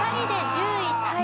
１０位タイ。